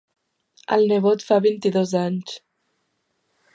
El nebot fa vint-i-dos anys.